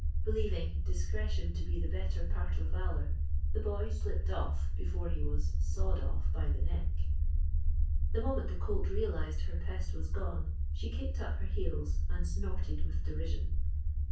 Believing "discretion to be the better part of valour" the boy slipped off before he was "sawed" off by the neck. The moment the colt realised her pest was gone she kicked up her heels and snorted with derision.